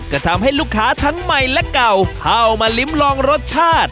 ก็ทำให้ลูกค้าทั้งใหม่และเก่าเข้ามาลิ้มลองรสชาติ